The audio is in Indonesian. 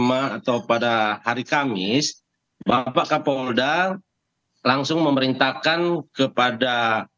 atau pada hari kamis bapak kapolda langsung memerintahkan kepada